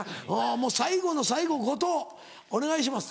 もう最後の最後後藤お願いします。